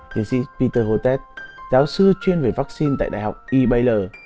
tiến sĩ peter hortet giáo sư chuyên về vaccine tại đại học e baylor